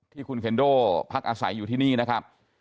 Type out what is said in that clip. ที่คุณเคนโดพักอาศัยอยู่ที่นี่นะครับ